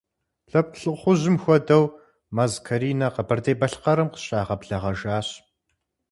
Лъэпкъ лӏыхъужьым хуэдэу Мэз Каринэ Къэбэрдей-Балъкъэрым къыщрагъэблэгъэжащ.